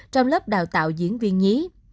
trong lớp đào tạo diễn viên nhí